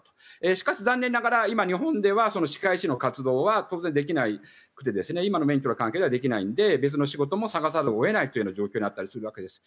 しかし、残念ながら今、日本では歯科医師の活動は当然できなくて今の免許の関係ではできないので別の仕事も探さざるを得ないという状況にあるわけです。